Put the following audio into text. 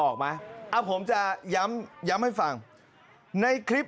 ครับใดหลังทุกคนครับ